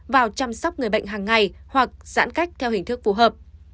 vào chăm sóc người bệnh hàng ngày hoặc giãn cách theo hình thức phù hợp